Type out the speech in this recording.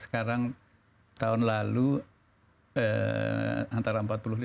sekarang tahun lalu antara empat puluh lima